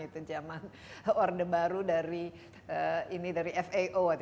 itu jaman order baru dari fao